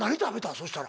そしたら。